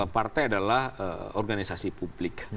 partai adalah organisasi publik